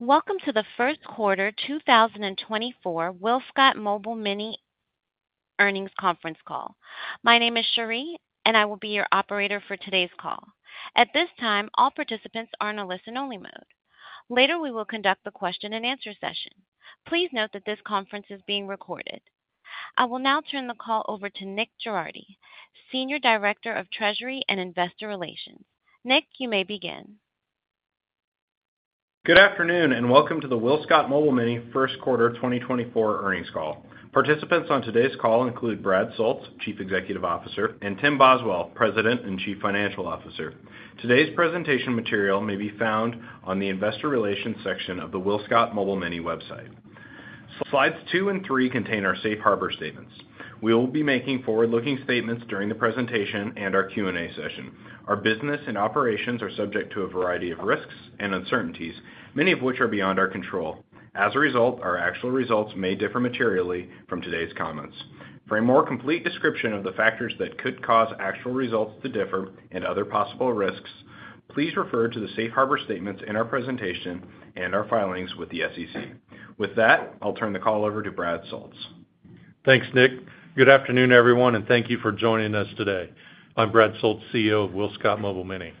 Welcome to the first quarter 2024 WillScot Mobile Mini earnings conference call. My name is Cherie, and I will be your operator for today's call. At this time, all participants are in a listen-only mode. Later, we will conduct the question-and-answer session. Please note that this conference is being recorded. I will now turn the call over to Nick Girardi, Senior Director of Treasury and Investor Relations. Nick, you may begin. Good afternoon, and welcome to the WillScot Mobile Mini first quarter 2024 earnings call. Participants on today's call include Brad Soultz, Chief Executive Officer, and Tim Boswell, President and Chief Financial Officer. Today's presentation material may be found on the investor relations section of the WillScot Mobile Mini website. Slides two and three contain our safe harbor statements. We will be making forward-looking statements during the presentation and our Q&A session. Our business and operations are subject to a variety of risks and uncertainties, many of which are beyond our control. As a result, our actual results may differ materially from today's comments. For a more complete description of the factors that could cause actual results to differ and other possible risks, please refer to the safe harbor statements in our presentation and our filings with the SEC. With that, I'll turn the call over to Brad Soultz. Thanks, Nick. Good afternoon, everyone, and thank you for joining us today. I'm Brad Soultz, CEO of WillScot Mobile Mini.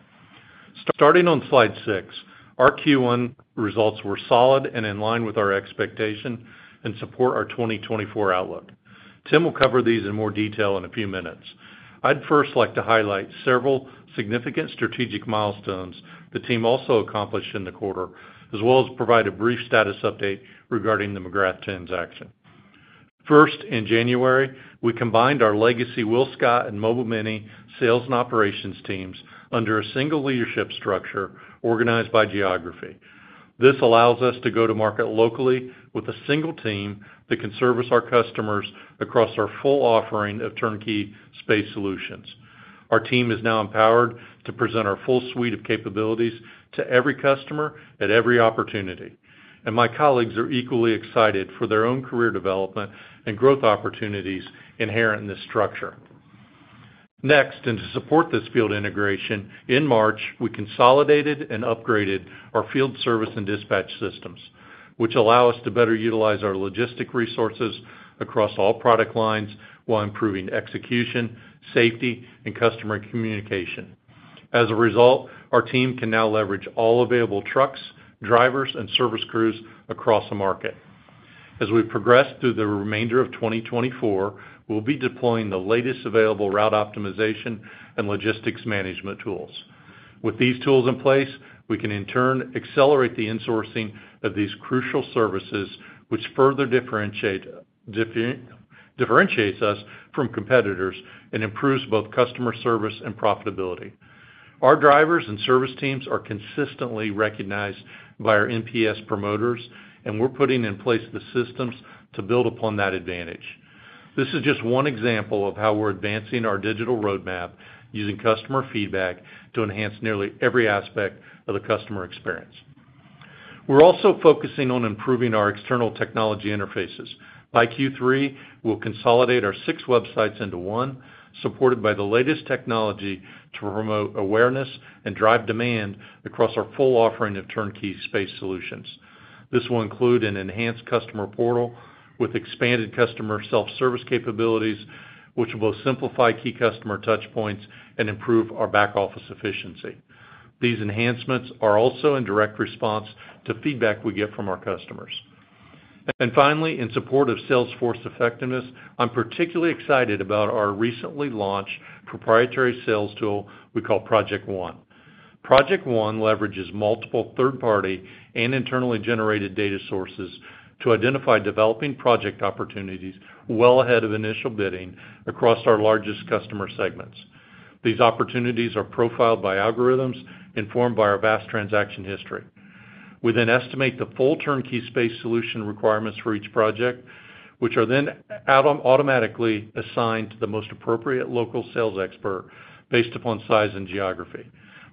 Starting on slide six, our Q1 results were solid and in line with our expectation and support our 2024 outlook. Tim will cover these in more detail in a few minutes. I'd first like to highlight several significant strategic milestones the team also accomplished in the quarter, as well as provide a brief status update regarding the McGrath transaction. First, in January, we combined our legacy WillScot and Mobile Mini sales and operations teams under a single leadership structure organized by geography. This allows us to go to market locally with a single team that can service our customers across our full offering of turnkey space solutions. Our team is now empowered to present our full suite of capabilities to every customer at every opportunity, and my colleagues are equally excited for their own career development and growth opportunities inherent in this structure. Next, and to support this field integration, in March, we consolidated and upgraded our field service and dispatch systems, which allow us to better utilize our logistic resources across all product lines while improving execution, safety, and customer communication. As a result, our team can now leverage all available trucks, drivers, and service crews across the market. As we progress through the remainder of 2024, we'll be deploying the latest available route optimization and logistics management tools. With these tools in place, we can, in turn, accelerate the insourcing of these crucial services, which further differentiates us from competitors and improves both customer service and profitability. Our drivers and service teams are consistently recognized by our NPS promoters, and we're putting in place the systems to build upon that advantage. This is just one example of how we're advancing our digital roadmap using customer feedback to enhance nearly every aspect of the customer experience. We're also focusing on improving our external technology interfaces. By Q3, we'll consolidate our six websites into one, supported by the latest technology to promote awareness and drive demand across our full offering of turnkey space solutions. This will include an enhanced customer portal with expanded customer self-service capabilities, which will both simplify key customer touchpoints and improve our back-office efficiency. These enhancements are also in direct response to feedback we get from our customers. Finally, in support of salesforce effectiveness, I'm particularly excited about our recently launched proprietary sales tool we call Project One. Project One leverages multiple third-party and internally generated data sources to identify developing project opportunities well ahead of initial bidding across our largest customer segments. These opportunities are profiled by algorithms informed by our vast transaction history. We then estimate the full turnkey space solution requirements for each project, which are then automatically assigned to the most appropriate local sales expert based upon size and geography.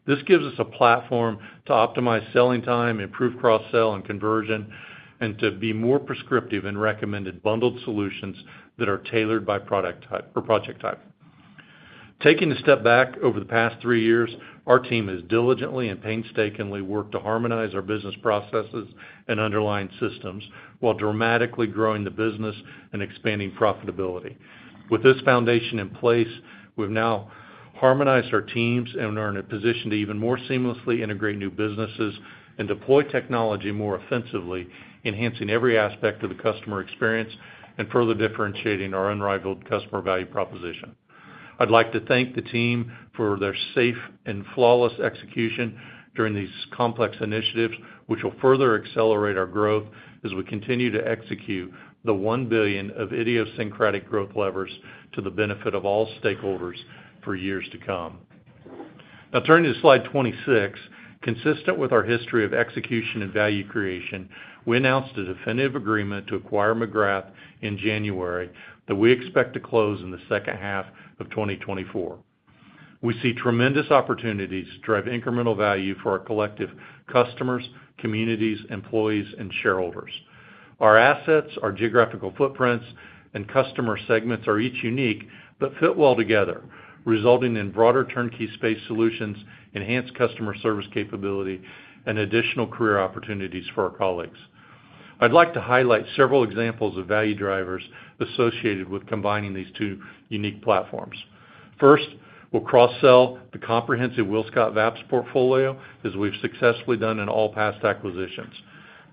This gives us a platform to optimize selling time, improve cross-sell and conversion, and to be more prescriptive in recommended bundled solutions that are tailored by product type or project type. Taking a step back over the past three years, our team has diligently and painstakingly worked to harmonize our business processes and underlying systems while dramatically growing the business and expanding profitability. With this foundation in place, we've now harmonized our teams and are in a position to even more seamlessly integrate new businesses and deploy technology more offensively, enhancing every aspect of the customer experience and further differentiating our unrivaled customer value proposition. I'd like to thank the team for their safe and flawless execution during these complex initiatives, which will further accelerate our growth as we continue to execute the $1 billion of idiosyncratic growth levers to the benefit of all stakeholders for years to come. Now, turning to slide 26, consistent with our history of execution and value creation, we announced a definitive agreement to acquire McGrath in January that we expect to close in the second half of 2024. We see tremendous opportunities to drive incremental value for our collective customers, communities, employees, and shareholders.... Our assets, our geographical footprints, and customer segments are each unique, but fit well together, resulting in broader turnkey space solutions, enhanced customer service capability, and additional career opportunities for our colleagues. I'd like to highlight several examples of value drivers associated with combining these two unique platforms. First, we'll cross-sell the comprehensive WillScot VAPS portfolio, as we've successfully done in all past acquisitions.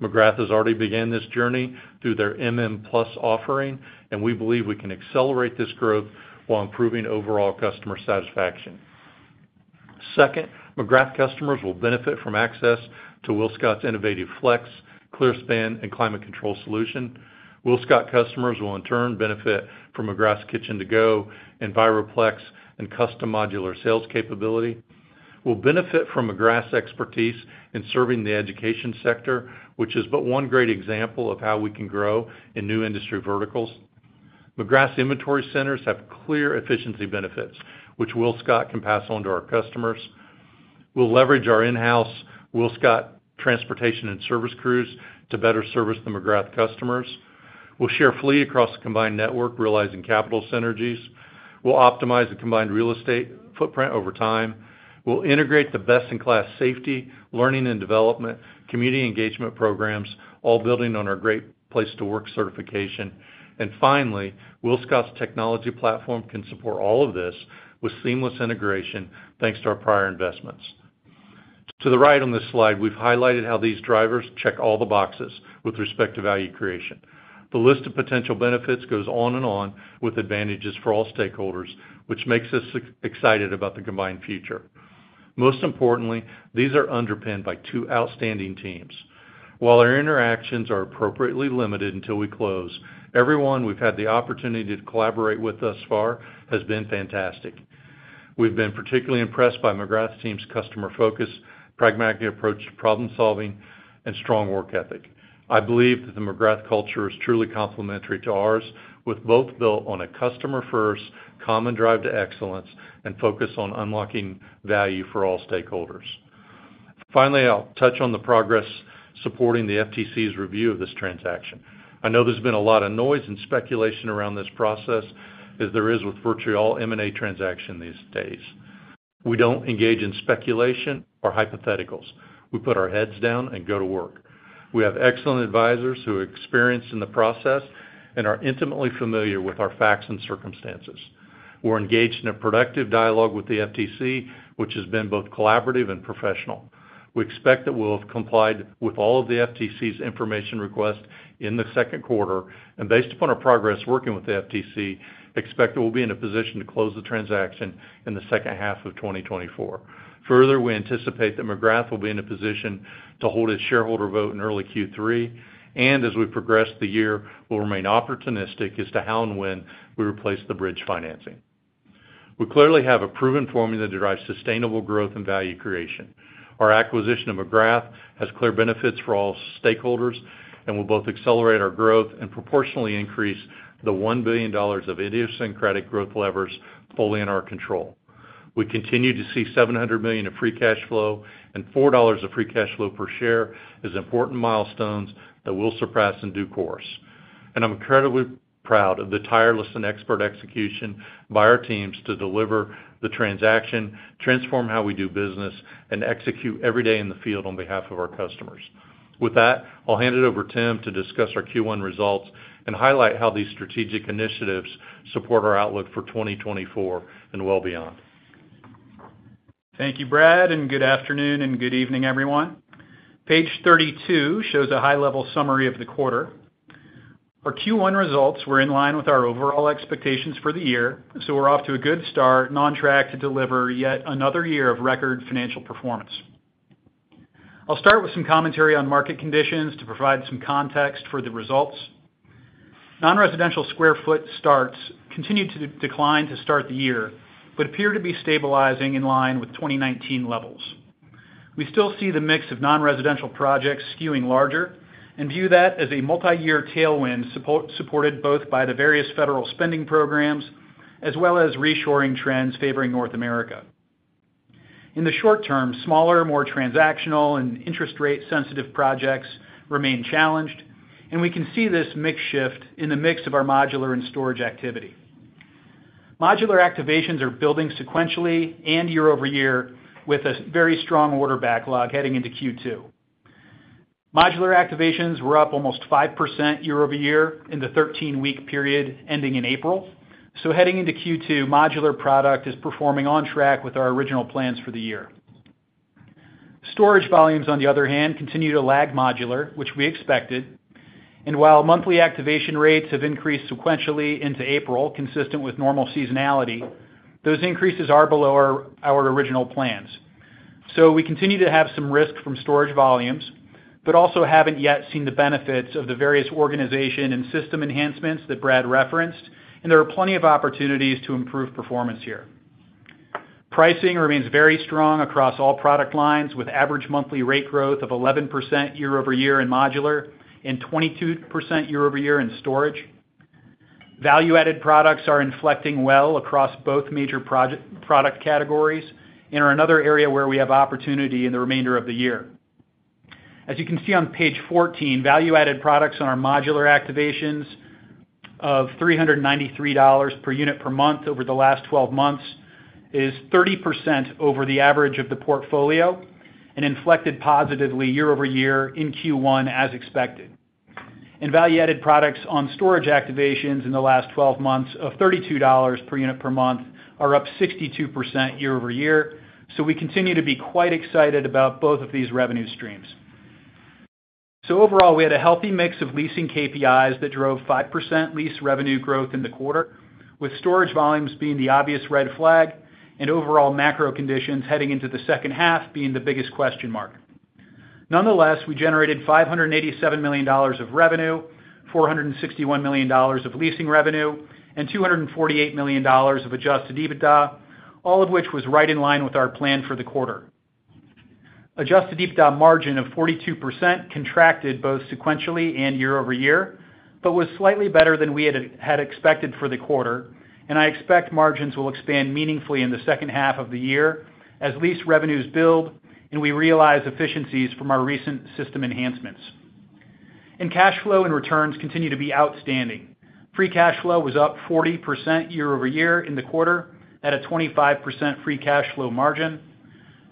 McGrath has already began this journey through their MM Plus offering, and we believe we can accelerate this growth while improving overall customer satisfaction. Second, McGrath customers will benefit from access to WillScot's innovative FLEX, ClearSpan, and climate control solution. WillScot customers will, in turn, benefit from McGrath's Kitchens To Go, Enviroplex, and custom modular sales capability, will benefit from McGrath's expertise in serving the education sector, which is but one great example of how we can grow in new industry verticals. McGrath's inventory centers have clear efficiency benefits, which WillScot can pass on to our customers. We'll leverage our in-house WillScot transportation and service crews to better service the McGrath customers. We'll share fleet across the combined network, realizing capital synergies. We'll optimize the combined real estate footprint over time. We'll integrate the best-in-class safety, learning and development, community engagement programs, all building on our Great Place to Work certification. And finally, WillScot's technology platform can support all of this with seamless integration, thanks to our prior investments. To the right on this slide, we've highlighted how these drivers check all the boxes with respect to value creation. The list of potential benefits goes on and on, with advantages for all stakeholders, which makes us excited about the combined future. Most importantly, these are underpinned by two outstanding teams. While our interactions are appropriately limited until we close, everyone we've had the opportunity to collaborate with thus far has been fantastic. We've been particularly impressed by McGrath's team's customer focus, pragmatic approach to problem-solving, and strong work ethic. I believe that the McGrath culture is truly complementary to ours, with both built on a customer-first, common drive to excellence and focus on unlocking value for all stakeholders. Finally, I'll touch on the progress supporting the FTC's review of this transaction. I know there's been a lot of noise and speculation around this process, as there is with virtually all M&A transaction these days. We don't engage in speculation or hypotheticals. We put our heads down and go to work. We have excellent advisors who are experienced in the process and are intimately familiar with our facts and circumstances. We're engaged in a productive dialogue with the FTC, which has been both collaborative and professional. We expect that we'll have complied with all of the FTC's information requests in the second quarter, and based upon our progress working with the FTC, expect that we'll be in a position to close the transaction in the second half of 2024. Further, we anticipate that McGrath will be in a position to hold its shareholder vote in early Q3, and as we progress the year, we'll remain opportunistic as to how and when we replace the bridge financing. We clearly have a proven formula that derives sustainable growth and value creation. Our acquisition of McGrath has clear benefits for all stakeholders and will both accelerate our growth and proportionally increase the $1 billion of idiosyncratic growth levers fully in our control. We continue to see $700 million of free cash flow, and $4 of free cash flow per share as important milestones that we'll surpass in due course. I'm incredibly proud of the tireless and expert execution by our teams to deliver the transaction, transform how we do business, and execute every day in the field on behalf of our customers. With that, I'll hand it over to Tim to discuss our Q1 results and highlight how these strategic initiatives support our outlook for 2024 and well beyond. Thank you, Brad, and good afternoon and good evening, everyone. Page 32 shows a high-level summary of the quarter. Our Q1 results were in line with our overall expectations for the year, so we're off to a good start and on track to deliver yet another year of record financial performance. I'll start with some commentary on market conditions to provide some context for the results. Non-residential sq ft starts continued to decline to start the year, but appear to be stabilizing in line with 2019 levels. We still see the mix of non-residential projects skewing larger and view that as a multi-year tailwind, supported both by the various federal spending programs, as well as reshoring trends favoring North America. In the short term, smaller, more transactional and interest rate-sensitive projects remain challenged, and we can see this mix shift in the mix of our modular and storage activity. Modular activations are building sequentially and year-over-year, with a very strong order backlog heading into Q2. Modular activations were up almost 5% year-over-year in the 13-week period, ending in April. So heading into Q2, modular product is performing on track with our original plans for the year. Storage volumes, on the other hand, continue to lag modular, which we expected, and while monthly activation rates have increased sequentially into April, consistent with normal seasonality, those increases are below our original plans. So we continue to have some risk from storage volumes, but also haven't yet seen the benefits of the various organization and system enhancements that Brad referenced, and there are plenty of opportunities to improve performance here. Pricing remains very strong across all product lines, with average monthly rate growth of 11% year-over-year in modular and 22% year-over-year in storage. Value-added products are inflecting well across both major product categories and are another area where we have opportunity in the remainder of the year. As you can see on page 14, value-added products on our modular activations of $393 per unit per month over the last twelve months is 30% over the average of the portfolio and inflected positively year-over-year in Q1, as expected. Value-added products on storage activations in the last 12 months of $32 per unit per month are up 62% year-over-year. So we continue to be quite excited about both of these revenue streams. So overall, we had a healthy mix of leasing KPIs that drove 5% lease revenue growth in the quarter, with storage volumes being the obvious red flag and overall macro conditions heading into the second half being the biggest question mark. Nonetheless, we generated $587 million of revenue, $461 million of leasing revenue, and $248 million of Adjusted EBITDA, all of which was right in line with our plan for the quarter. Adjusted EBITDA margin of 42% contracted both sequentially and year-over-year, but was slightly better than we had expected for the quarter. I expect margins will expand meaningfully in the second half of the year as lease revenues build, and we realize efficiencies from our recent system enhancements. Cash flow and returns continue to be outstanding. Free cash flow was up 40% year-over-year in the quarter, at a 25% free cash flow margin.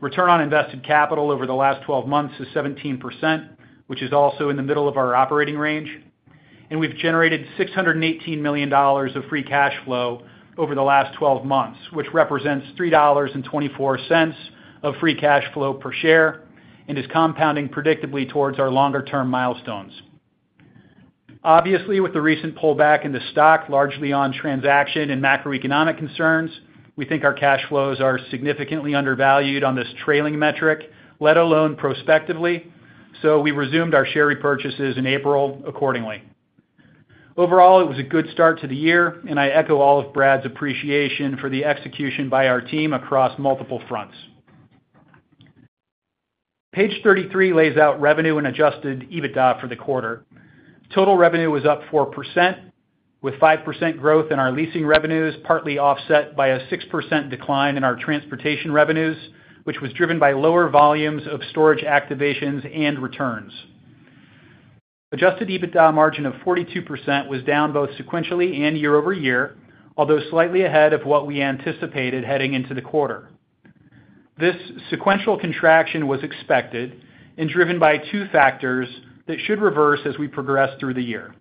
Return on invested capital over the last twelve months is 17%, which is also in the middle of our operating range. We've generated $618 million of free cash flow over the last twelve months, which represents $3.24 of free cash flow per share and is compounding predictably towards our longer-term milestones. Obviously, with the recent pullback in the stock, largely on transaction and macroeconomic concerns, we think our cash flows are significantly undervalued on this trailing metric, let alone prospectively, so we resumed our share repurchases in April accordingly. Overall, it was a good start to the year, and I echo all of Brad's appreciation for the execution by our team across multiple fronts. Page 33 lays out revenue and Adjusted EBITDA for the quarter. Total revenue was up 4%, with 5% growth in our leasing revenues, partly offset by a 6% decline in our transportation revenues, which was driven by lower volumes of storage activations and returns. Adjusted EBITDA margin of 42% was down both sequentially and year-over-year, although slightly ahead of what we anticipated heading into the quarter. This sequential contraction was expected and driven by two factors that should reverse as we progress through the year.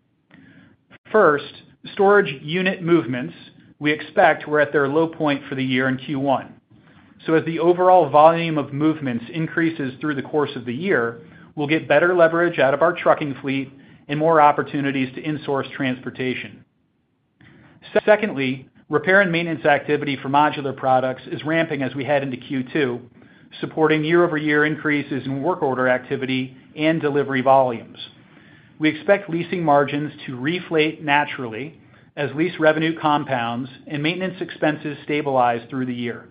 First, storage unit movements, we expect, were at their low point for the year in Q1. So as the overall volume of movements increases through the course of the year, we'll get better leverage out of our trucking fleet and more opportunities to insource transportation. Secondly, repair and maintenance activity for modular products is ramping as we head into Q2, supporting year-over-year increases in work order activity and delivery volumes. We expect leasing margins to reflate naturally as lease revenue compounds and maintenance expenses stabilize through the year.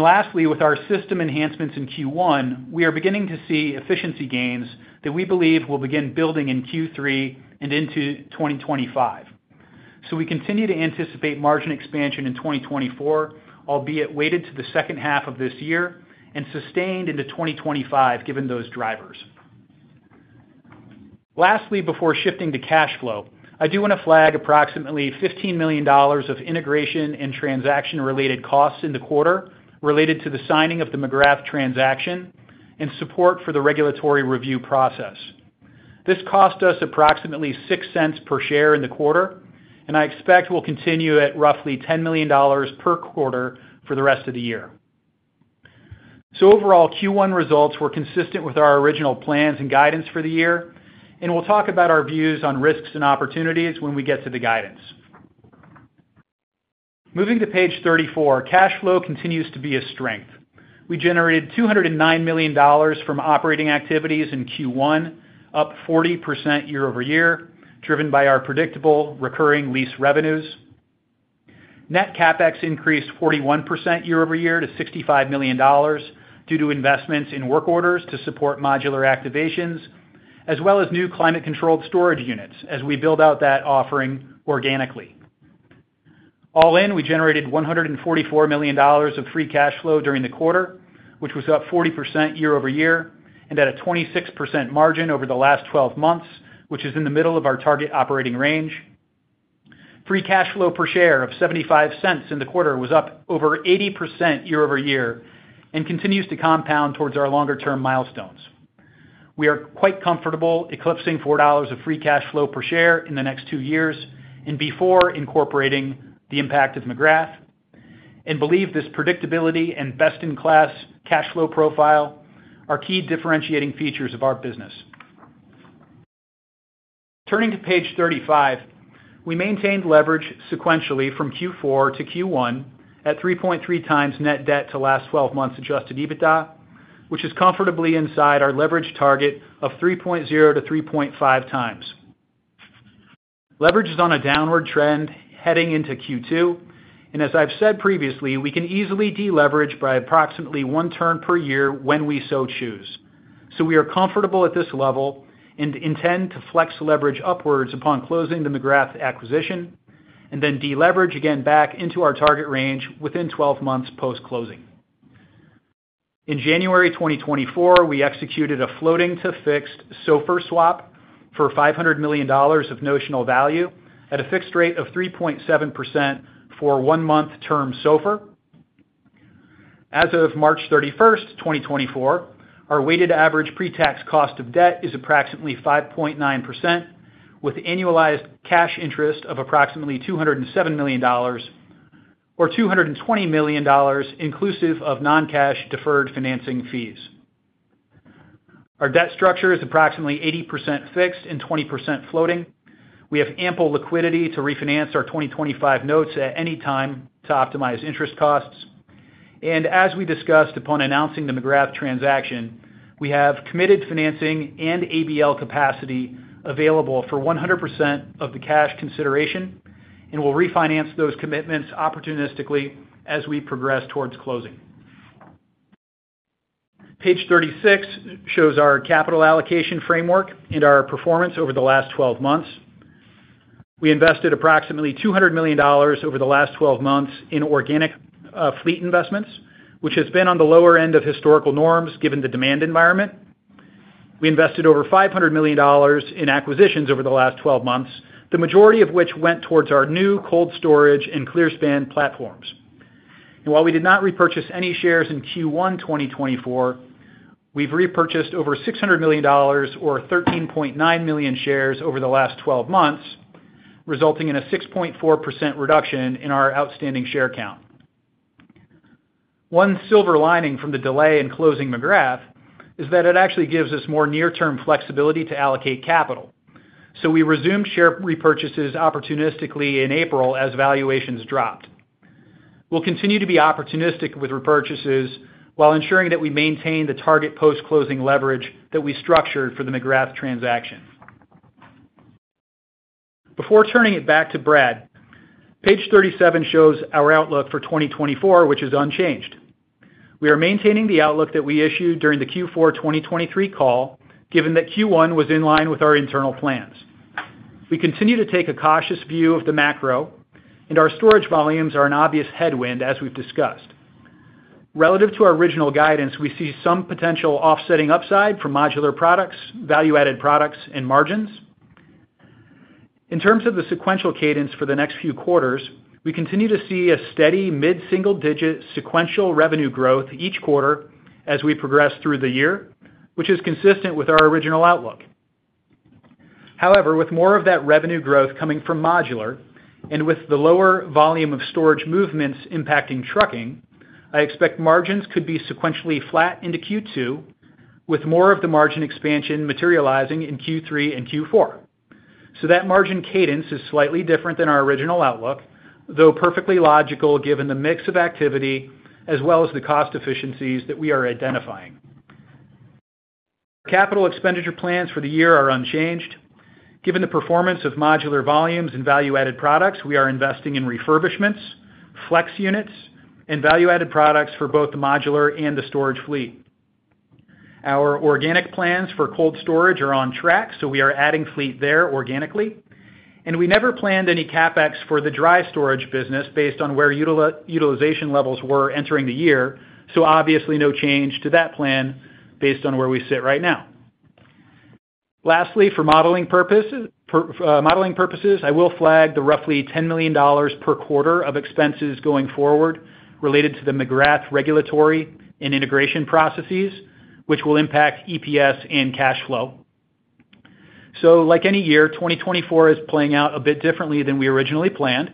Lastly, with our system enhancements in Q1, we are beginning to see efficiency gains that we believe will begin building in Q3 and into 2025. So we continue to anticipate margin expansion in 2024, albeit weighted to the second half of this year and sustained into 2025, given those drivers. Lastly, before shifting to cash flow, I do want to flag approximately $15 million of integration and transaction-related costs in the quarter related to the signing of the McGrath transaction and support for the regulatory review process. This cost us approximately $0.06 per share in the quarter, and I expect will continue at roughly $10 million per quarter for the rest of the year. So overall, Q1 results were consistent with our original plans and guidance for the year, and we'll talk about our views on risks and opportunities when we get to the guidance. Moving to page 34, cash flow continues to be a strength. We generated $209 million from operating activities in Q1, up 40% year-over-year, driven by our predictable recurring lease revenues. Net CapEx increased 41% year-over-year to $65 million due to investments in work orders to support modular activations, as well as new climate-controlled storage units as we build out that offering organically. All in, we generated $144 million of free cash flow during the quarter, which was up 40% year-over-year and at a 26% margin over the last twelve months, which is in the middle of our target operating range. Free cash flow per share of $0.75 in the quarter was up over 80% year-over-year and continues to compound towards our longer-term milestones. We are quite comfortable eclipsing $4 of free cash flow per share in the next two years and before incorporating the impact of McGrath, and believe this predictability and best-in-class cash flow profile are key differentiating features of our business. Turning to page 35. We maintained leverage sequentially from Q4 to Q1 at 3.3x net debt to last 12 months adjusted EBITDA, which is comfortably inside our leverage target of 3.0-3.5x. Leverage is on a downward trend heading into Q2, and as I've said previously, we can easily deleverage by approximately 1 turn per year when we so choose. So we are comfortable at this level and intend to flex leverage upwards upon closing the McGrath acquisition, and then deleverage again back into our target range within 12 months post-closing. In January 2024, we executed a floating-to-fixed SOFR swap for $500 million of notional value at a fixed rate of 3.7% for one-month term SOFR. As of March 31, 2024, our weighted average pre-tax cost of debt is approximately 5.9%, with annualized cash interest of approximately $207 million, or $220 million, inclusive of non-cash deferred financing fees. Our debt structure is approximately 80% fixed and 20% floating. We have ample liquidity to refinance our 2025 notes at any time to optimize interest costs. As we discussed upon announcing the McGrath transaction, we have committed financing and ABL capacity available for 100% of the cash consideration, and we'll refinance those commitments opportunistically as we progress towards closing. Page 36 shows our capital allocation framework and our performance over the last twelve months. We invested approximately $200 million over the last twelve months in organic, fleet investments, which has been on the lower end of historical norms, given the demand environment. We invested over $500 million in acquisitions over the last twelve months, the majority of which went towards our new cold storage and ClearSpan platforms. And while we did not repurchase any shares in Q1 2024, we've repurchased over $600 million or 13.9 million shares over the last twelve months, resulting in a 6.4% reduction in our outstanding share count. One silver lining from the delay in closing McGrath is that it actually gives us more near-term flexibility to allocate capital. So we resumed share repurchases opportunistically in April as valuations dropped. We'll continue to be opportunistic with repurchases while ensuring that we maintain the target post-closing leverage that we structured for the McGrath transaction. Before turning it back to Brad, page 37 shows our outlook for 2024, which is unchanged. We are maintaining the outlook that we issued during the Q4, 2023 call, given that Q1 was in line with our internal plans. We continue to take a cautious view of the macro, and our storage volumes are an obvious headwind, as we've discussed. Relative to our original guidance, we see some potential offsetting upside from modular products, value-added products, and margins. In terms of the sequential cadence for the next few quarters, we continue to see a steady mid-single-digit sequential revenue growth each quarter as we progress through the year, which is consistent with our original outlook. However, with more of that revenue growth coming from modular and with the lower volume of storage movements impacting trucking, I expect margins could be sequentially flat into Q2, with more of the margin expansion materializing in Q3 and Q4. So that margin cadence is slightly different than our original outlook, though perfectly logical, given the mix of activity as well as the cost efficiencies that we are identifying. Capital expenditure plans for the year are unchanged. Given the performance of modular volumes and value-added products, we are investing in refurbishments, FLEX units, and value-added products for both the modular and the storage fleet. Our organic plans for cold storage are on track, so we are adding fleet there organically, and we never planned any CapEx for the dry storage business based on where utilization levels were entering the year, so obviously no change to that plan based on where we sit right now. Lastly, for modeling purposes, I will flag the roughly $10 million per quarter of expenses going forward related to the McGrath regulatory and integration processes, which will impact EPS and cash flow. So like any year, 2024 is playing out a bit differently than we originally planned,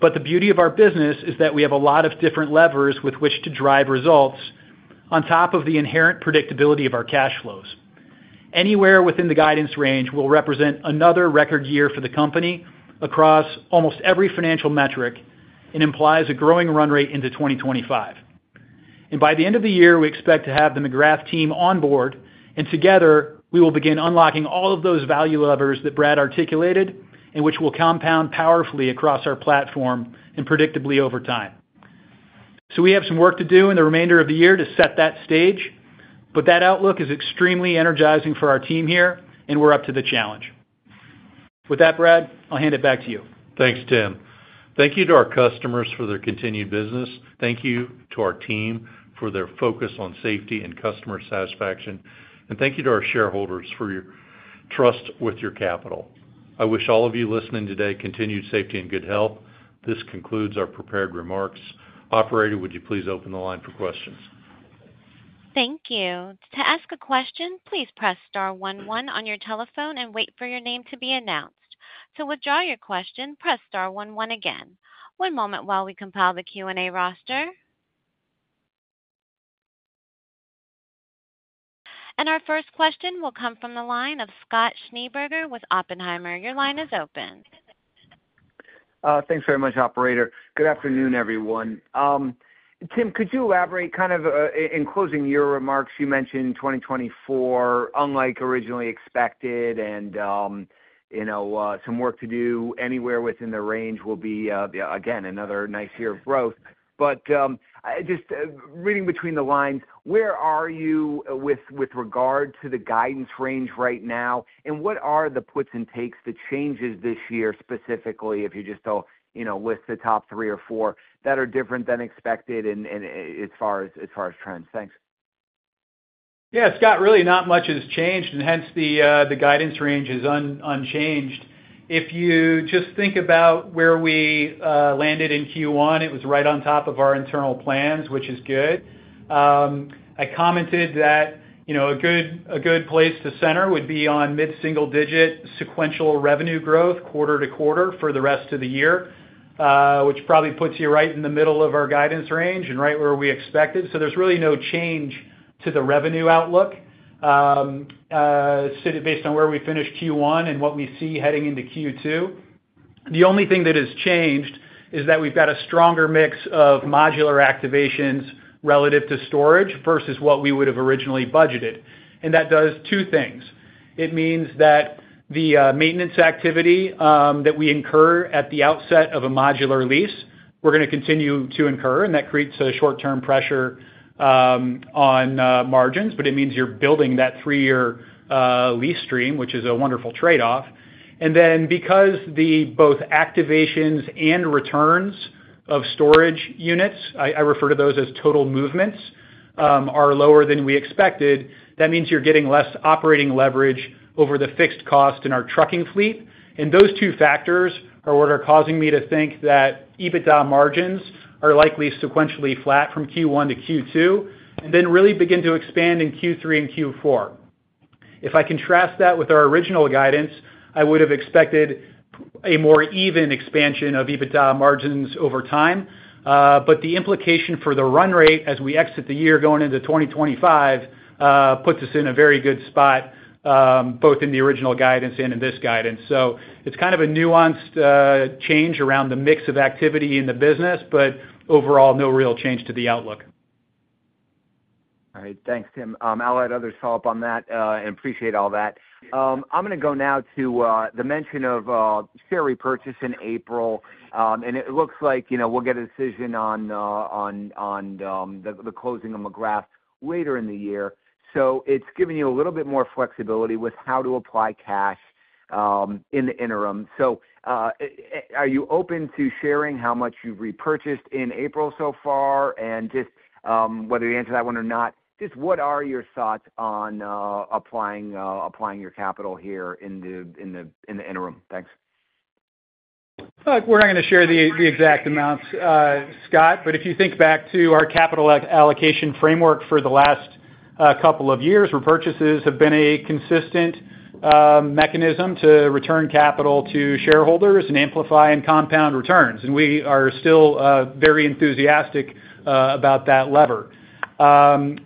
but the beauty of our business is that we have a lot of different levers with which to drive results on top of the inherent predictability of our cash flows. Anywhere within the guidance range will represent another record year for the company across almost every financial metric and implies a growing run rate into 2025. By the end of the year, we expect to have the McGrath team on board, and together, we will begin unlocking all of those value levers that Brad articulated and which will compound powerfully across our platform and predictably over time. We have some work to do in the remainder of the year to set that stage, but that outlook is extremely energizing for our team here, and we're up to the challenge. With that, Brad, I'll hand it back to you. Thanks, Tim. Thank you to our customers for their continued business. Thank you to our team for their focus on safety and customer satisfaction, and thank you to our shareholders for your trust with your capital. I wish all of you listening today continued safety and good health. This concludes our prepared remarks. Operator, would you please open the line for questions? Thank you. To ask a question, please press star one one on your telephone and wait for your name to be announced. To withdraw your question, press star one one again. One moment while we compile the Q&A roster. Our first question will come from the line of Scott Schneeberger with Oppenheimer. Your line is open. Thanks very much, operator. Good afternoon, everyone. Tim, could you elaborate kind of, in closing your remarks, you mentioned 2024, unlike originally expected, and, you know, some work to do anywhere within the range will be, again, another nice year of growth. But, just, reading between the lines, where are you with regard to the guidance range right now? And what are the puts and takes, the changes this year, specifically, if you just tell, you know, list the top three or four that are different than expected and, as far as trends? Thanks. Yeah, Scott, really, not much has changed, and hence the guidance range is unchanged. If you just think about where we landed in Q1, it was right on top of our internal plans, which is good. I commented that, you know, a good place to center would be on mid-single digit sequential revenue growth quarter to quarter for the rest of the year, which probably puts you right in the middle of our guidance range and right where we expected. So there's really no change to the revenue outlook, based on where we finished Q1 and what we see heading into Q2. The only thing that has changed is that we've got a stronger mix of modular activations relative to storage versus what we would have originally budgeted. And that does two things. It means that the maintenance activity that we incur at the outset of a modular lease, we're gonna continue to incur, and that creates a short-term pressure on margins, but it means you're building that three-year lease stream, which is a wonderful trade-off. And then because the both activations and returns of storage units, I refer to those as total movements, are lower than we expected, that means you're getting less operating leverage over the fixed cost in our trucking fleet. And those two factors are what are causing me to think that EBITDA margins are likely sequentially flat from Q1 to Q2, and then really begin to expand in Q3 and Q4. If I contrast that with our original guidance, I would have expected a more even expansion of EBITDA margins over time. But the implication for the run rate as we exit the year going into 2025 puts us in a very good spot, both in the original guidance and in this guidance. So it's kind of a nuanced change around the mix of activity in the business, but overall, no real change to the outlook. All right. Thanks, Tim. I'll let others follow up on that, and appreciate all that. I'm gonna go now to the mention of share repurchase in April. And it looks like, you know, we'll get a decision on the closing of McGrath later in the year. So it's giving you a little bit more flexibility with how to apply cash in the interim. So, are you open to sharing how much you've repurchased in April so far? And just, whether you answer that one or not, just what are your thoughts on applying your capital here in the interim? Thanks. Look, we're not gonna share the exact amounts, Scott, but if you think back to our capital allocation framework for the last couple of years, repurchases have been a consistent mechanism to return capital to shareholders and amplify and compound returns. And we are still very enthusiastic about that lever.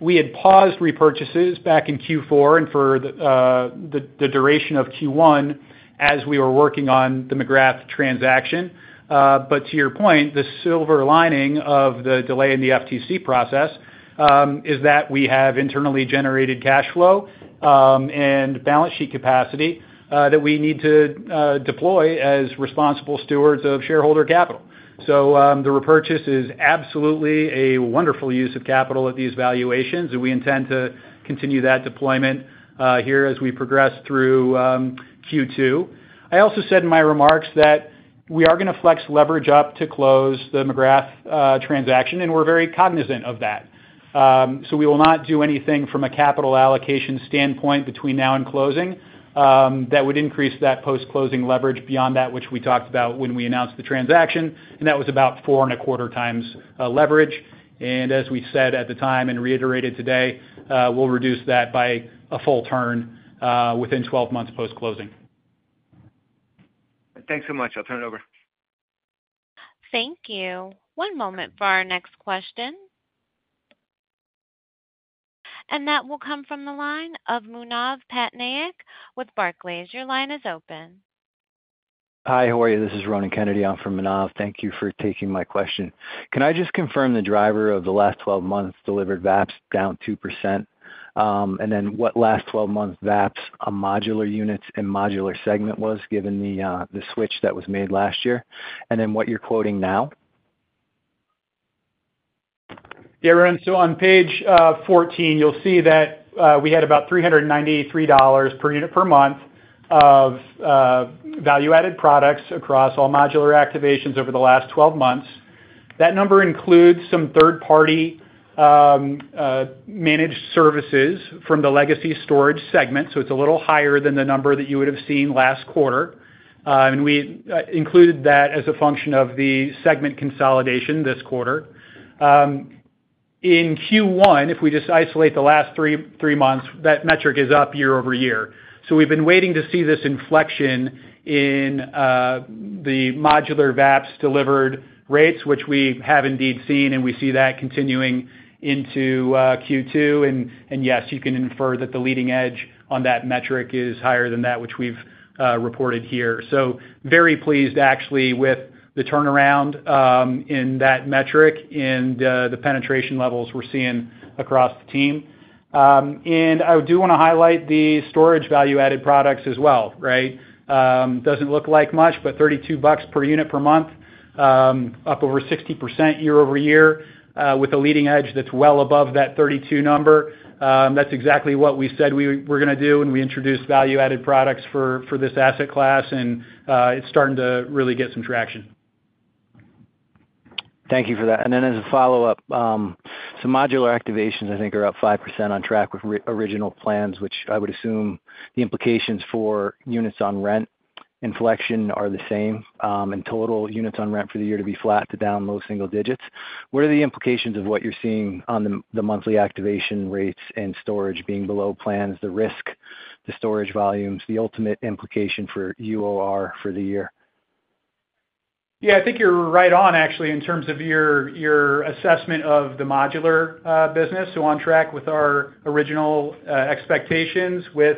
We had paused repurchases back in Q4 and for the duration of Q1 as we were working on the McGrath transaction. But to your point, the silver lining of the delay in the FTC process is that we have internally generated cash flow and balance sheet capacity that we need to deploy as responsible stewards of shareholder capital. So, the repurchase is absolutely a wonderful use of capital at these valuations, and we intend to continue that deployment here as we progress through Q2. I also said in my remarks that we are gonna flex leverage up to close the McGrath transaction, and we're very cognizant of that. So we will not do anything from a capital allocation standpoint between now and closing that would increase that post-closing leverage beyond that which we talked about when we announced the transaction, and that was about 4.25x leverage. And as we said at the time and reiterated today, we'll reduce that by a full turn within 12 months post-closing. Thanks so much. I'll turn it over. Thank you. One moment for our next question. That will come from the line of Manav Patnaik with Barclays. Your line is open. Hi, how are you? This is Ronan Kennedy. I'm from Manav. Thank you for taking my question. Can I just confirm the driver of the last 12 months delivered VAPS down 2%, and then what last 12 months VAPS on modular units and modular segment was, given the switch that was made last year, and then what you're quoting now? Yeah, Ronan, so on page 14, you'll see that we had about $393 per unit per month of value-added products across all modular activations over the last 12 months. That number includes some third-party managed services from the legacy storage segment, so it's a little higher than the number that you would have seen last quarter. And we included that as a function of the segment consolidation this quarter. In Q1, if we just isolate the last three months, that metric is up year-over-year. So we've been waiting to see this inflection in the modular VAPS-delivered rates, which we have indeed seen, and we see that continuing into Q2, and yes, you can infer that the leading edge on that metric is higher than that which we've reported here. So very pleased, actually, with the turnaround in that metric and the penetration levels we're seeing across the team. And I do wanna highlight the storage value-added products as well, right? Doesn't look like much, but $32 per unit per month, up over 60% year-over-year, with a leading edge that's well above that 32 number. That's exactly what we said we're gonna do when we introduced value-added products for this asset class, and it's starting to really get some traction. Thank you for that. And then as a follow-up, so modular activations, I think are up 5% on track with original plans, which I would assume the implications for units on rent inflection are the same, and total units on rent for the year to be flat to down low single digits. What are the implications of what you're seeing on the monthly activation rates and storage being below plans, the risk, the storage volumes, the ultimate implication for UOR for the year? Yeah, I think you're right on actually, in terms of your, your assessment of the modular business. So on track with our original expectations, with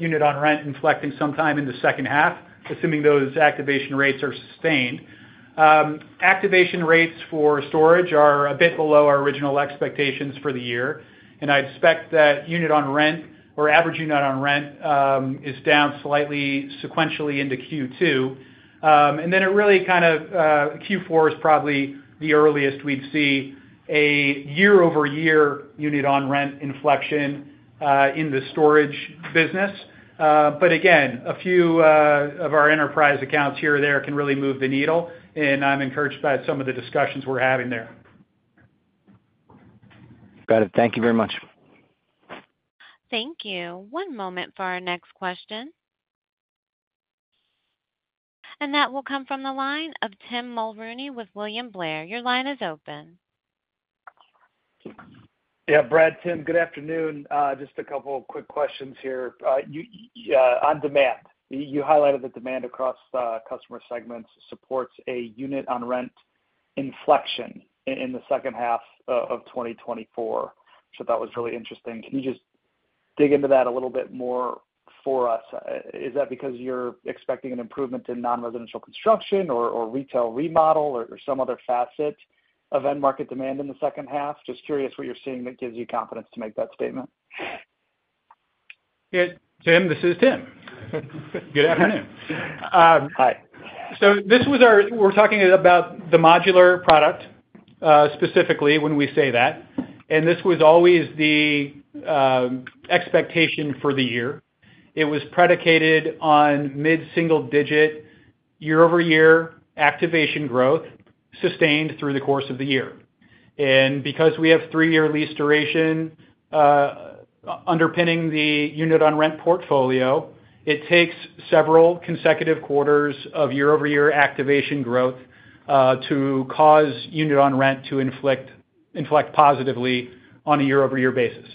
unit on rent inflecting sometime in the second half, assuming those activation rates are sustained. Activation rates for storage are a bit below our original expectations for the year. And I expect that unit on rent or average unit on rent is down slightly sequentially into Q2. And then it really kind of Q4 is probably the earliest we'd see a year-over-year unit on rent inflection in the storage business. But again, a few of our enterprise accounts here or there can really move the needle, and I'm encouraged by some of the discussions we're having there. Got it. Thank you very much. Thank you. One moment for our next question. That will come from the line of Tim Mulrooney with William Blair. Your line is open. Yeah, Brad, Tim, good afternoon. Just a couple of quick questions here. You highlighted that demand across customer segments supports a unit on rent inflection in the second half of 2024. So that was really interesting. Can you just dig into that a little bit more for us? Is that because you're expecting an improvement in non-residential construction or retail remodel or some other facet of end market demand in the second half? Just curious what you're seeing that gives you confidence to make that statement. Yeah, Tim, this is Tim. Good afternoon. Um, hi. We're talking about the modular product, specifically when we say that, and this was always the expectation for the year. It was predicated on mid-single-digit year-over-year activation growth, sustained through the course of the year. Because we have three-year lease duration underpinning the unit on rent portfolio, it takes several consecutive quarters of year-over-year activation growth to cause unit on rent to inflect positively on a year-over-year basis.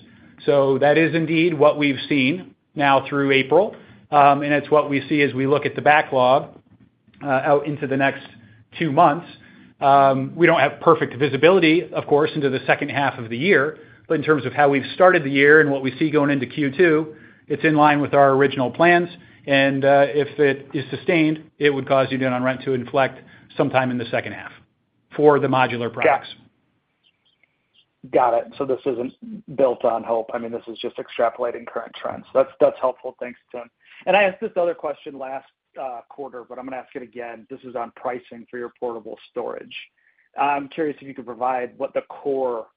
That is indeed what we've seen now through April. It's what we see as we look at the backlog out into the next two months. We don't have perfect visibility, of course, into the second half of the year, but in terms of how we've started the year and what we see going into Q2, it's in line with our original plans, and if it is sustained, it would cause unit on rent to inflect sometime in the second half for the modular products. Got it. So this isn't built on hope. I mean, this is just extrapolating current trends. That's, that's helpful. Thanks, Tim. And I asked this other question last quarter, but I'm gonna ask it again. This is on pricing for your portable storage. I'm curious if you could provide what the core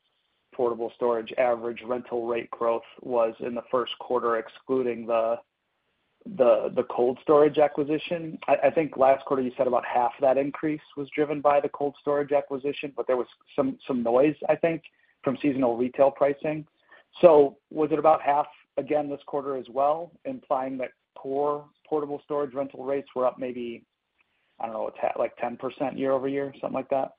portable storage average rental rate growth was in the first quarter, excluding the cold storage acquisition. I think last quarter you said about half that increase was driven by the cold storage acquisition, but there was some noise, I think, from seasonal retail pricing. So was it about half again this quarter as well, implying that core portable storage rental rates were up maybe, I don't know, like 10% year-over-year, something like that?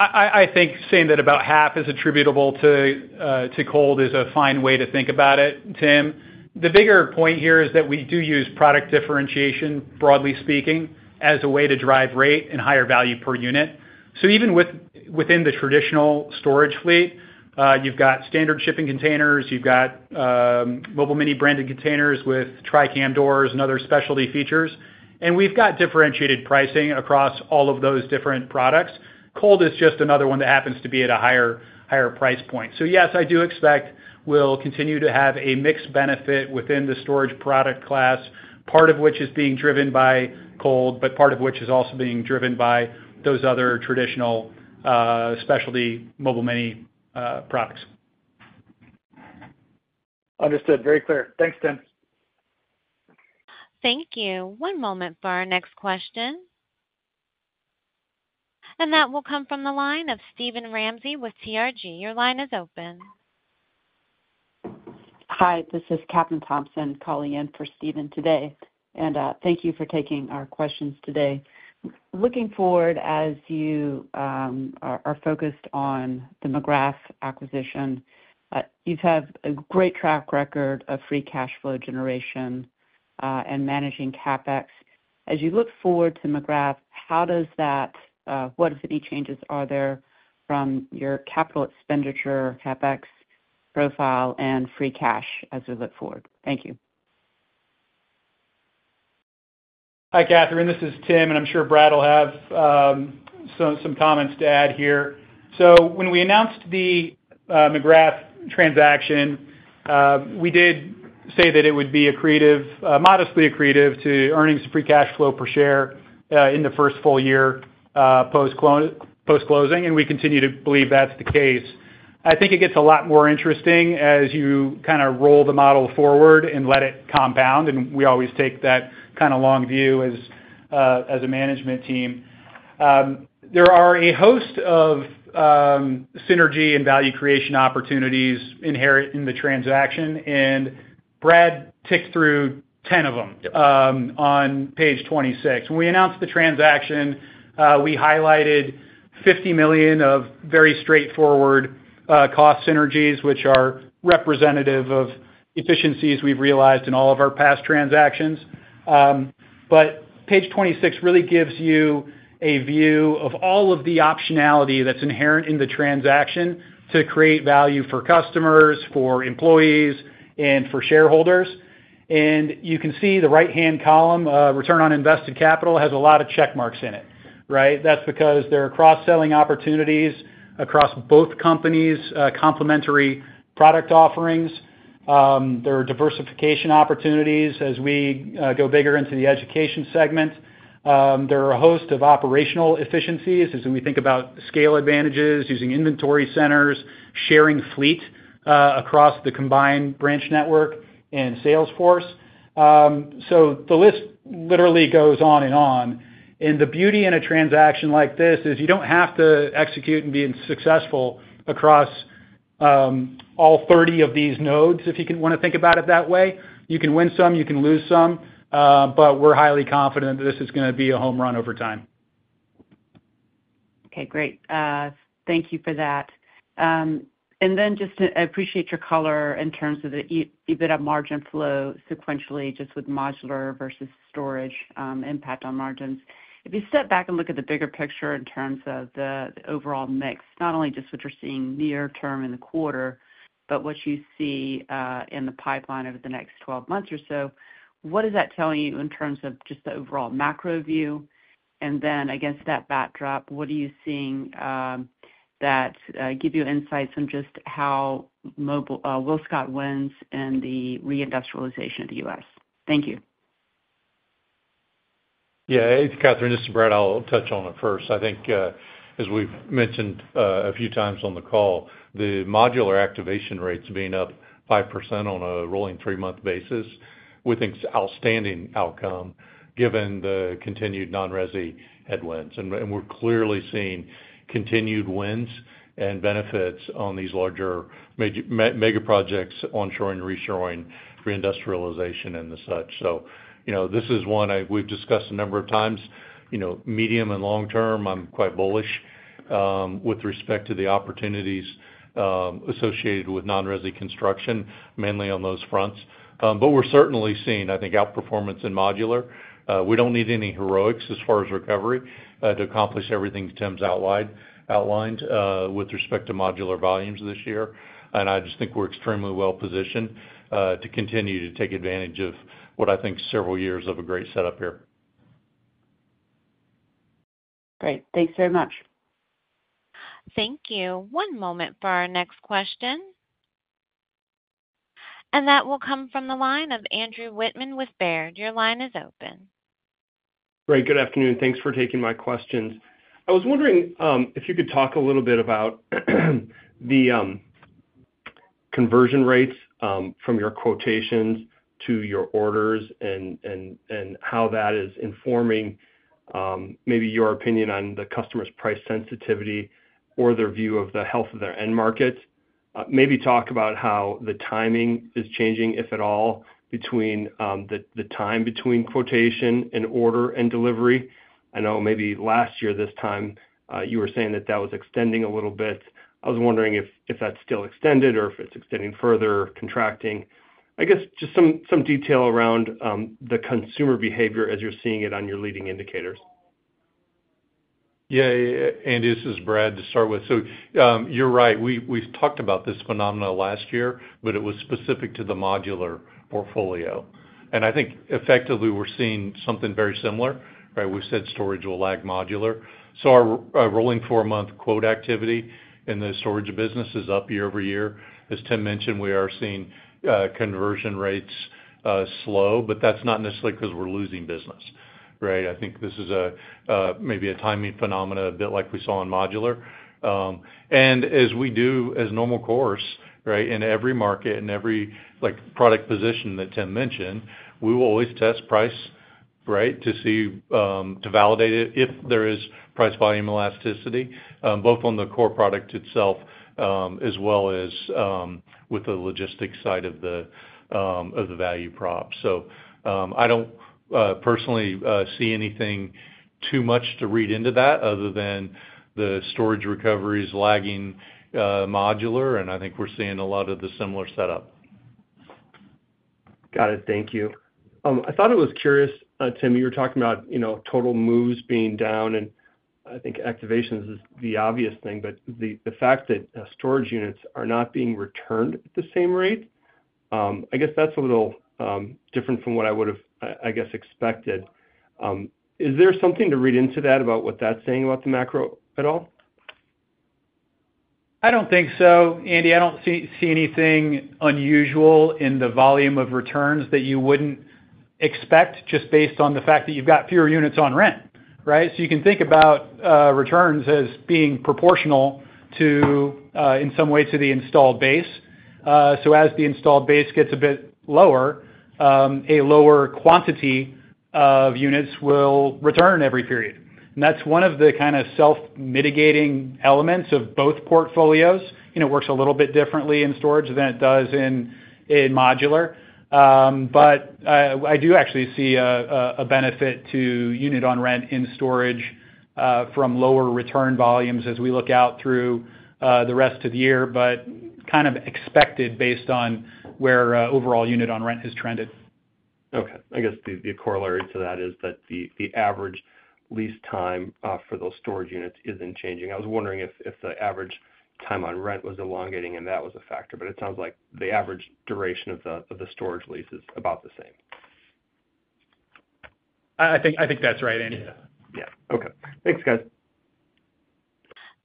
I think saying that about half is attributable to cold is a fine way to think about it, Tim. The bigger point here is that we do use product differentiation, broadly speaking, as a way to drive rate and higher value per unit. So even within the traditional storage fleet, you've got standard shipping containers, you've got Mobile Mini branded containers with Tri-Cam doors and other specialty features, and we've got differentiated pricing across all of those different products. Cold is just another one that happens to be at a higher price point. So yes, I do expect we'll continue to have a mixed benefit within the storage product class, part of which is being driven by cold, but part of which is also being driven by those other traditional specialty Mobile Mini products. Understood. Very clear. Thanks, Tim. Thank you. One moment for our next question. That will come from the line of Steven Ramsey with TRG. Your line is open. Hi, this is Kathryn Thompson calling in for Steven today. Thank you for taking our questions today. Looking forward, as you are focused on the McGrath acquisition, you've had a great track record of free cash flow generation and managing CapEx. As you look forward to McGrath, how does that... what key changes are there from your capital expenditure, CapEx profile and free cash as we look forward? Thank you. Hi, Kathryn, this is Tim, and I'm sure Brad will have some comments to add here. So when we announced the McGrath transaction, we did say that it would be accretive, modestly accretive to earnings free cash flow per share, in the first full year post closing, and we continue to believe that's the case. I think it gets a lot more interesting as you kind of roll the model forward and let it compound, and we always take that kind of long view as a management team. There are a host of synergy and value creation opportunities inherent in the transaction, and Brad ticked through 10 of them on page 26. When we announced the transaction, we highlighted $50 million of very straightforward, cost synergies, which are representative of efficiencies we've realized in all of our past transactions. But page 26 really gives you a view of all of the optionality that's inherent in the transaction to create value for customers, for employees, and for shareholders. And you can see the right-hand column, Return on Invested Capital, has a lot of check marks in it, right? That's because there are cross-selling opportunities across both companies, complementary product offerings. There are diversification opportunities as we go bigger into the education segment. There are a host of operational efficiencies as we think about scale advantages, using inventory centers, sharing fleet, across the combined branch network and Salesforce. So the list literally goes on and on. The beauty in a transaction like this is you don't have to execute and be successful across all 30 of these nodes, if you want to think about it that way. You can win some, you can lose some, but we're highly confident that this is gonna be a home run over time. Okay, great. Thank you for that. And then just to... I appreciate your color in terms of the EBITDA margin flow sequentially, just with modular versus storage, impact on margins. If you step back and look at the bigger picture in terms of the overall mix, not only just what you're seeing near term in the quarter, but what you see in the pipeline over the next 12 months or so, what is that telling you in terms of just the overall macro view? And then, against that backdrop, what are you seeing that give you insights on just how mobile WillScot wins in the reindustrialization of the U.S.? Thank you. Yeah. Hey, Kathryn, this is Brad. I'll touch on it first. I think, as we've mentioned a few times on the call, the modular activation rates being up 5% on a rolling three-month basis, we think it's outstanding outcome, given the continued non-resi headwinds. And we're clearly seeing continued wins and benefits on these larger mega projects, onshoring, reshoring, reindustrialization, and the such. So, you know, this is one we've discussed a number of times. You know, medium and long term, I'm quite bullish with respect to the opportunities associated with non-resi construction, mainly on those fronts. But we're certainly seeing, I think, outperformance in modular. We don't need any heroics as far as recovery to accomplish everything Tim's outlined with respect to modular volumes this year. I just think we're extremely well positioned to continue to take advantage of what I think is several years of a great setup here. Great. Thanks very much. Thank you. One moment for our next question. That will come from the line of Andrew Wittmann with Baird. Your line is open. Great. Good afternoon. Thanks for taking my questions. I was wondering if you could talk a little bit about the conversion rates from your quotations to your orders and how that is informing maybe your opinion on the customer's price sensitivity or their view of the health of their end markets. Maybe talk about how the timing is changing, if at all, between the time between quotation and order and delivery. I know maybe last year, this time, you were saying that that was extending a little bit. I was wondering if that's still extended or if it's extending further or contracting. I guess just some detail around the consumer behavior as you're seeing it on your leading indicators. Yeah, yeah, Andrew, this is Brad, to start with. So, you're right, we, we've talked about this phenomenon last year, but it was specific to the modular portfolio. I think effectively, we're seeing something very similar, right? We've said storage will lag modular. So our, our rolling four-month quote activity in the storage business is up year-over-year. As Tim mentioned, we are seeing conversion rates slow, but that's not necessarily because we're losing business, right? I think this is a maybe a timing phenomenon, a bit like we saw in modular. And as we do, in normal course, right, in every market and every, like, product position that Tim mentioned, we will always test price, right, to see, to validate it if there is price-volume elasticity, both on the core product itself, as well as with the logistics side of the value prop. So, I don't personally see anything too much to read into that other than the storage recovery is lagging modular, and I think we're seeing a lot of the similar setup. Got it. Thank you. I thought it was curious, Tim, you were talking about, you know, total moves being down, and I think activations is the obvious thing, but the fact that storage units are not being returned at the same rate? I guess that's a little different from what I would have, I guess, expected. Is there something to read into that about what that's saying about the macro at all? I don't think so, Andy. I don't see anything unusual in the volume of returns that you wouldn't expect, just based on the fact that you've got fewer units on rent, right? So you can think about returns as being proportional to, in some way to the installed base. So as the installed base gets a bit lower, a lower quantity of units will return every period. And that's one of the kind of self-mitigating elements of both portfolios. And it works a little bit differently in storage than it does in modular. But I do actually see a benefit to unit on rent in storage from lower return volumes as we look out through the rest of the year, but kind of expected based on where overall unit on rent has trended. Okay. I guess the corollary to that is that the average lease time for those storage units isn't changing. I was wondering if the average time on rent was elongating, and that was a factor, but it sounds like the average duration of the storage lease is about the same. I think, I think that's right, Andy. Yeah. Yeah. Okay. Thanks, guys.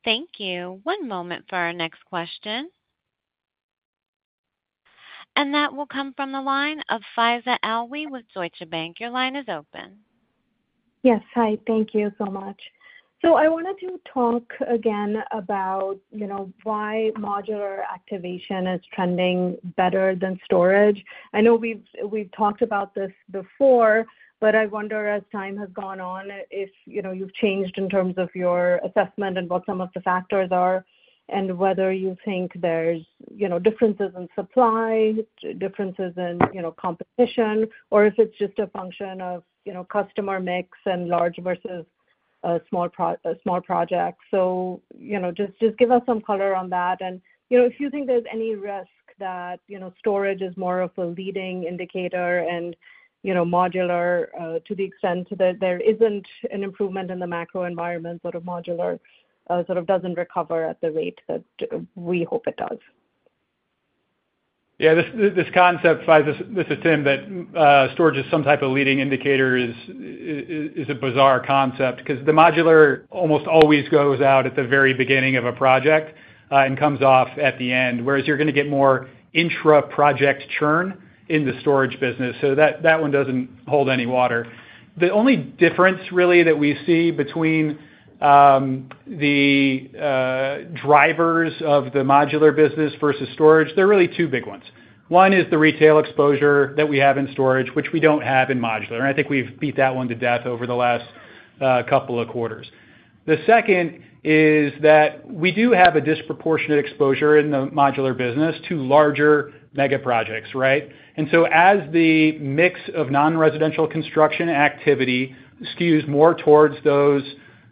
Thank you. One moment for our next question. That will come from the line of Faiza Alwy with Deutsche Bank. Your line is open. Yes. Hi, thank you so much. So I wanted to talk again about, you know, why modular activation is trending better than storage. I know we've talked about this before, but I wonder, as time has gone on, if, you know, you've changed in terms of your assessment and what some of the factors are, and whether you think there's, you know, differences in supply, differences in, you know, competition, or if it's just a function of, you know, customer mix and large versus small projects. So, you know, just give us some color on that. You know, if you think there's any risk that, you know, storage is more of a leading indicator and, you know, modular, to the extent that there isn't an improvement in the macro environment, sort of modular, sort of doesn't recover at the rate that we hope it does. Yeah, this concept, Faiza, this is Tim, that storage is some type of leading indicator is a bizarre concept because the modular almost always goes out at the very beginning of a project, and comes off at the end, whereas you're gonna get more intra-project churn in the storage business, so that one doesn't hold any water. The only difference, really, that we see between the drivers of the modular business versus storage, there are really two big ones. One is the retail exposure that we have in storage, which we don't have in modular, and I think we've beat that one to death over the last couple of quarters. The second is that we do have a disproportionate exposure in the modular business to larger mega projects, right? And so as the mix of non-residential construction activity skews more towards those,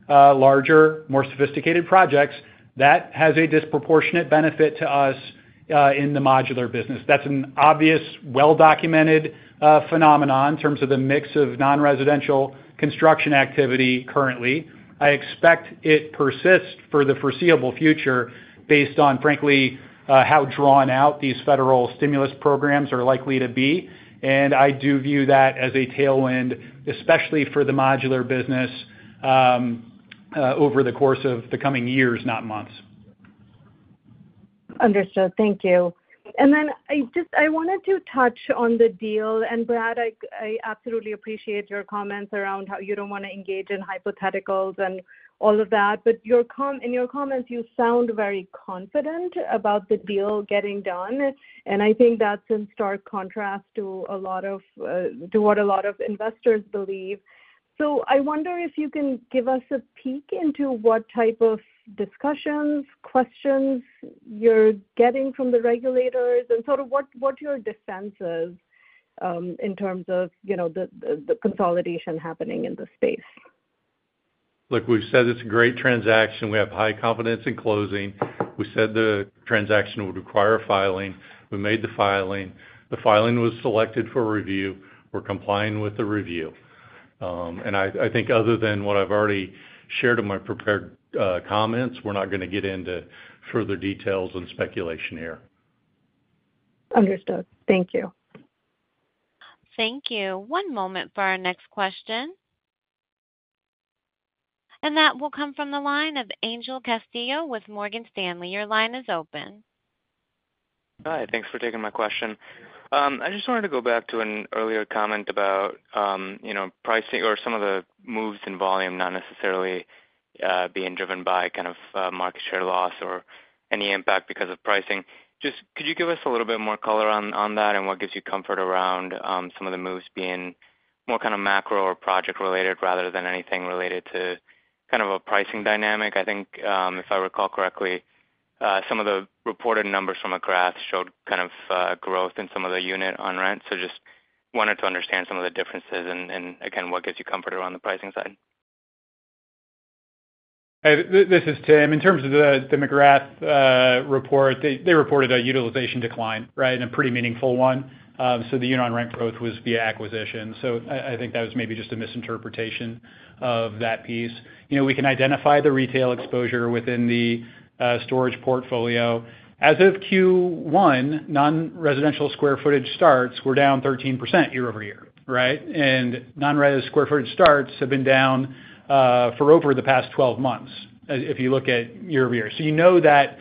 larger, more sophisticated projects, that has a disproportionate benefit to us, in the modular business. That's an obvious, well-documented, phenomenon in terms of the mix of non-residential construction activity currently. I expect it persists for the foreseeable future based on, frankly, how drawn out these federal stimulus programs are likely to be. And I do view that as a tailwind, especially for the modular business, over the course of the coming years, not months. Understood. Thank you. And then I just—I wanted to touch on the deal. And Brad, I, I absolutely appreciate your comments around how you don't want to engage in hypotheticals and all of that, but in your comments, you sound very confident about the deal getting done, and I think that's in stark contrast to a lot of, to what a lot of investors believe. So I wonder if you can give us a peek into what type of discussions, questions you're getting from the regulators and sort of what, what your defense is, in terms of, you know, the, the, the consolidation happening in this space. Look, we've said it's a great transaction. We have high confidence in closing. We said the transaction would require a filing. We made the filing. The filing was selected for review. We're complying with the review. And I think other than what I've already shared in my prepared comments, we're not gonna get into further details and speculation here. Understood. Thank you. Thank you. One moment for our next question. That will come from the line of Angel Castillo with Morgan Stanley. Your line is open. Hi, thanks for taking my question. I just wanted to go back to an earlier comment about, you know, pricing or some of the moves in volume not necessarily being driven by kind of market share loss or any impact because of pricing. Just could you give us a little bit more color on that and what gives you comfort around some of the moves being more kind of macro or project related rather than anything related to kind of a pricing dynamic? I think, if I recall correctly, some of the reported numbers from McGrath showed kind of growth in some of the unit on rent. So just wanted to understand some of the differences and, again, what gives you comfort around the pricing side? Hey, this is Tim. In terms of the McGrath report, they reported a utilization decline, right? And a pretty meaningful one. So the unit on rent growth was via acquisition. So I think that was maybe just a misinterpretation of that piece. You know, we can identify the retail exposure within the storage portfolio. As of Q1, non-residential square footage starts were down 13% year-over-year, right? And non-res square footage starts have been down for over the past 12 months, if you look at year-over-year. So you know that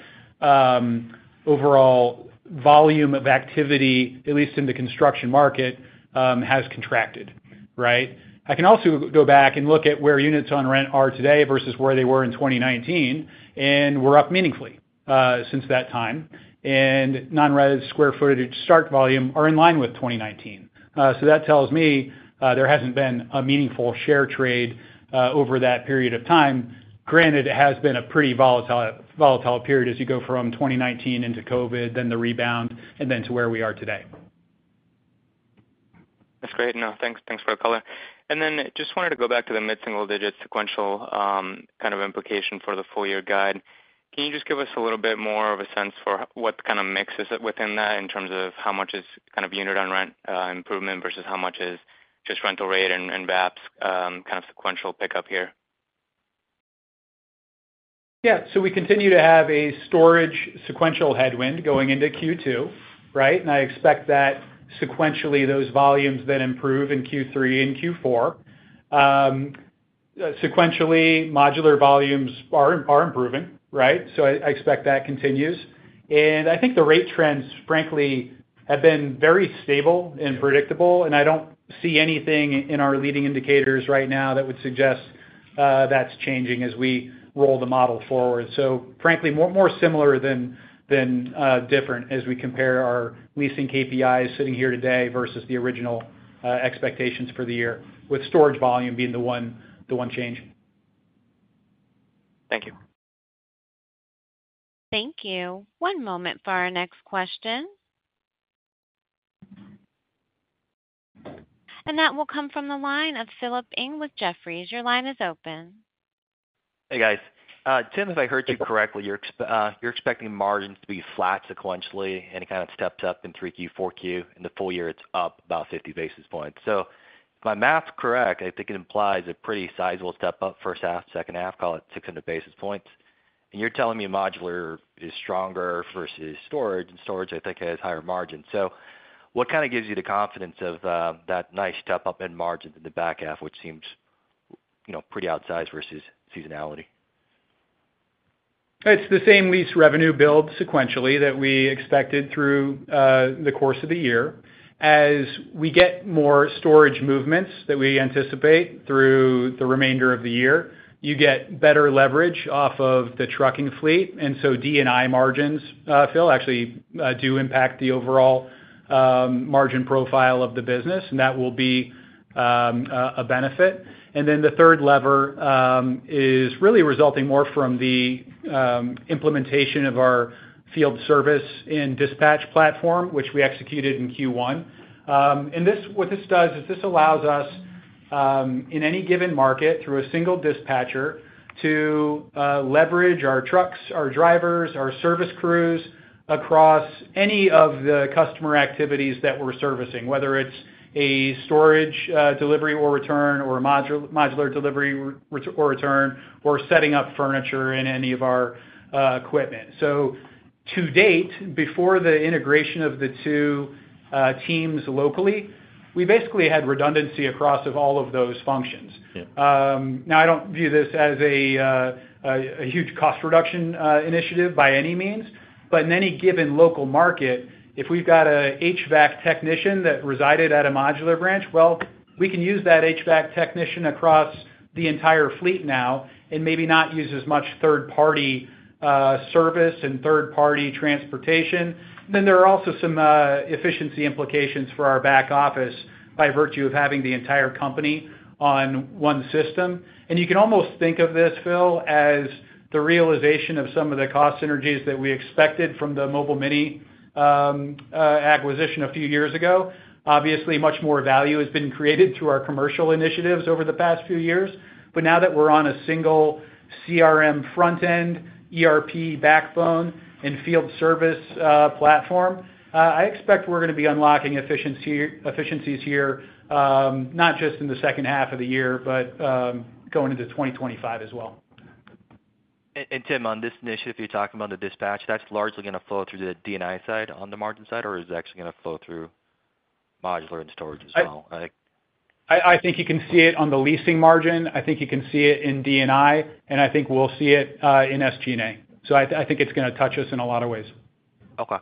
overall volume of activity, at least in the construction market, has contracted, right? I can also go back and look at where units on rent are today versus where they were in 2019, and we're up meaningfully since that time. Non-res square footage start volume are in line with 2019. So that tells me there hasn't been a meaningful share trade over that period of time. Granted, it has been a pretty volatile period as you go from 2019 into COVID, then the rebound, and then to where we are today. That's great. No, thanks. Thanks for the color. And then just wanted to go back to the mid-single digit sequential, kind of implication for the full year guide. Can you just give us a little bit more of a sense for what kind of mix is within that, in terms of how much is kind of unit on rent, improvement, versus how much is just rental rate and, and VAPS, kind of sequential pickup here? Yeah. So we continue to have a storage sequential headwind going into Q2, right? And I expect that sequentially, those volumes then improve in Q3 and Q4. Sequentially, modular volumes are improving, right? So I expect that continues. And I think the rate trends, frankly, have been very stable and predictable, and I don't see anything in our leading indicators right now that would suggest that's changing as we roll the model forward. So frankly, more similar than different as we compare our leasing KPIs sitting here today versus the original expectations for the year, with storage volume being the one change. Thank you. Thank you. One moment for our next question. That will come from the line of Philip Ng with Jefferies. Your line is open. Hey, guys. Tim, if I heard you correctly, you're expecting margins to be flat sequentially, and it kind of steps up in 3Q, 4Q. In the full year, it's up about 50 basis points. So if my math's correct, I think it implies a pretty sizable step up, first half, second half, call it 600 basis points. And you're telling me modular is stronger versus storage, and storage, I think, has higher margins. So what kind of gives you the confidence of that nice step up in margins in the back half, which seems, you know, pretty outsized versus seasonality? It's the same lease revenue build sequentially that we expected through the course of the year. As we get more storage movements that we anticipate through the remainder of the year, you get better leverage off of the trucking fleet, and so D&I margins, Phil, actually, do impact the overall margin profile of the business, and that will be a benefit. And then the third lever is really resulting more from the implementation of our field service and dispatch platform, which we executed in Q1. And this, what this does is this allows us, in any given market, through a single dispatcher, to leverage our trucks, our drivers, our service crews, across any of the customer activities that we're servicing, whether it's a storage delivery or return, or a modular delivery or return, or setting up furniture in any of our equipment. So to date, before the integration of the two teams locally, we basically had redundancy across all of those functions. Yeah. Now, I don't view this as a, a huge cost reduction initiative by any means, but in any given local market, if we've got a HVAC technician that resided at a modular branch, well, we can use that HVAC technician across the entire fleet now and maybe not use as much third-party service and third-party transportation. Then there are also some efficiency implications for our back office by virtue of having the entire company on one system. And you can almost think of this, Phil, as the realization of some of the cost synergies that we expected from the Mobile Mini acquisition a few years ago. Obviously, much more value has been created through our commercial initiatives over the past few years, but now that we're on a single CRM front end, ERP backbone, and field service platform, I expect we're going to be unlocking efficiencies here, not just in the second half of the year, but going into 2025 as well. And Tim, on this initiative, you're talking about the dispatch, that's largely gonna flow through the D&I side, on the margin side, or is it actually gonna flow through modular and storage as well? Like- I, I think you can see it on the leasing margin, I think you can see it in D&I, and I think we'll see it in SG&A. So I, I think it's gonna touch us in a lot of ways. Okay.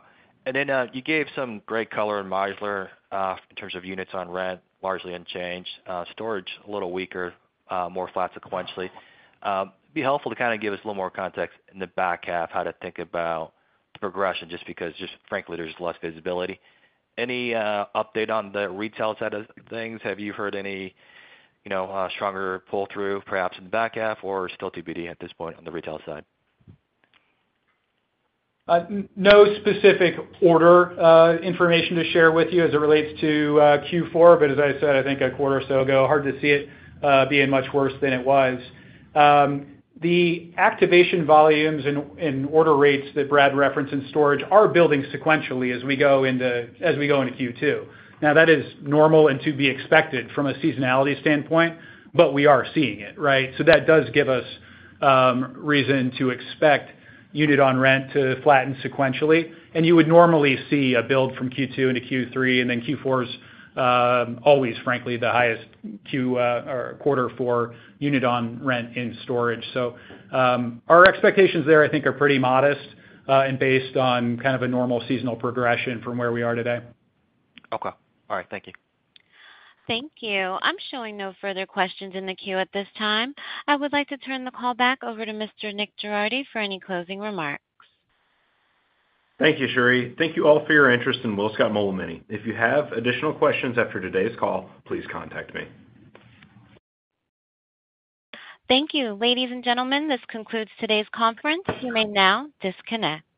And then, you gave some great color in modular, in terms of units on rent, largely unchanged. Storage, a little weaker, more flat sequentially. It'd be helpful to kind of give us a little more context in the back half, how to think about the progression, just because, just frankly, there's less visibility. Any update on the retail side of things? Have you heard any, you know, stronger pull-through, perhaps in the back half, or still TBD at this point on the retail side? No specific order, information to share with you as it relates to Q4, but as I said, I think a quarter or so ago, hard to see it being much worse than it was. The activation volumes and order rates that Brad referenced in storage are building sequentially as we go into Q2. Now, that is normal and to be expected from a seasonality standpoint, but we are seeing it, right? So that does give us reason to expect unit on rent to flatten sequentially. And you would normally see a build from Q2 into Q3, and then Q4 is always, frankly, the highest Q or quarter for unit on rent in storage. So, our expectations there, I think, are pretty modest, and based on kind of a normal seasonal progression from where we are today. Okay. All right. Thank you. Thank you. I'm showing no further questions in the queue at this time. I would like to turn the call back over to Mr. Nick Girardi for any closing remarks. Thank you, Sherry. Thank you all for your interest in WillScot Mobile Mini. If you have additional questions after today's call, please contact me. Thank you. Ladies and gentlemen, this concludes today's conference. You may now disconnect.